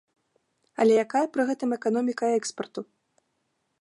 Але якая пры гэтым эканоміка экспарту?